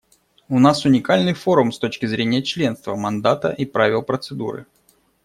У нас уникальный форум с точки зрения членства, мандата и правил процедуры.